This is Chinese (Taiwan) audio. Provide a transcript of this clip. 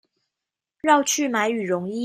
繞去買羽絨衣